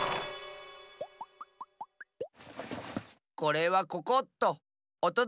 これはここっと。